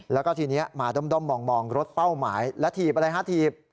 แล้วก็ทีนี้มาด้อมมองรถเป้าหมายและถีบอะไรฮะถีบ